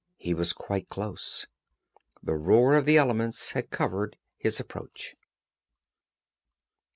He was quite close. The roar of the elements had covered his approach.